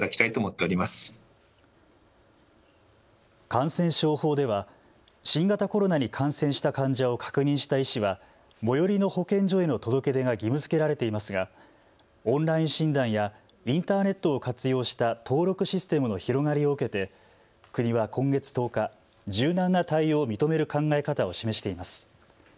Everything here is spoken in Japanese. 感染症法では新型コロナに感染した患者を確認した医師は最寄りの保健所への届け出が義務づけられていますがオンライン診断やインターネットを活用した登録システムの広がりを受けて、国は今月１０日、柔軟な対応を認める考え方を示しています。